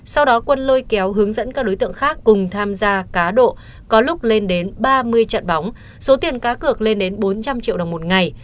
sau đó quân lôi kéo hướng dẫn các đối tượng khác cùng tham gia cá độ có lúc lên đến ba mươi trận bóng số tiền cá cược lên đến bốn trăm linh triệu đồng một ngày